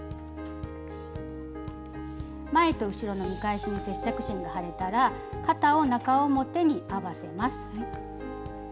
前と後ろの見返しに接着芯が貼れたら肩を中表に合わせます。